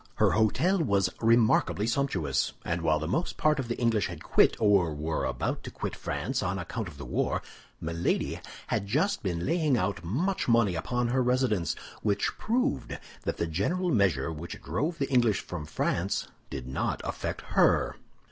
Her hôtel was remarkably sumptuous, and while the most part of the English had quit, or were about to quit, France on account of the war, Milady had just been laying out much money upon her residence; which proved that the general measure which drove the English from France did not affect her.